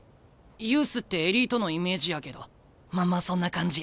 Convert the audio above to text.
ユースってエリートのイメージやけどまんまそんな感じ。